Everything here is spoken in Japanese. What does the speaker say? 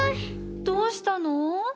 どうしたの？